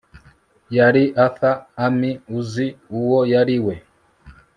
Yari Arthur Amy Uzi uwo yari we